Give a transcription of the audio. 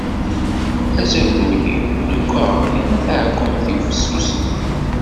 Azaglu-iw leggaɣ, yerna taɛekkemt-iw fessuset.